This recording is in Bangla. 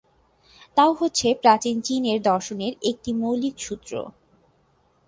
তাও হচ্ছে প্রাচীন চীনের দর্শনের একটি মৌলিক সূত্র।